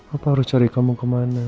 apa harus cari kamu kemana